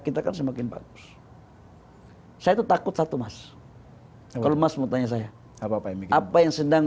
kita akan semakin bagus hai saya takut satu mas kalau mas mau tanya saya apa apa yang sedang